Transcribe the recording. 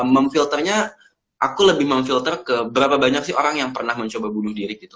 memfilternya aku lebih memfilter ke berapa banyak sih orang yang pernah mencoba bunuh diri gitu